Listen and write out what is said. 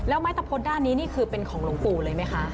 แล้วไม้ตะพดด้านนี้นี่คือเป็นของหลวงปู่เลยไหมคะ